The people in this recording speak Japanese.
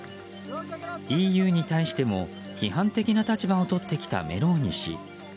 ＥＵに対しても批判的な立場をとってきたメローニ氏。